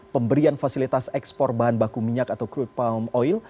pemberian fasilitas ekspor bahan baku minyak atau crude palm oil